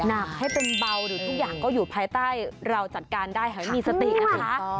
หนักให้เป็นเบาหรือทุกอย่างก็อยู่ภายใต้เราจัดการได้ให้มีสตินะคะ